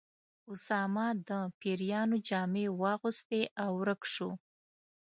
اسامه د پیریانو جامې واغوستې او ورک شو.